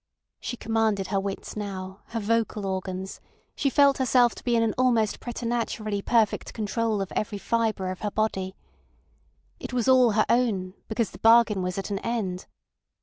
She commanded her wits now, her vocal organs; she felt herself to be in an almost preternaturally perfect control of every fibre of her body. It was all her own, because the bargain was at an end.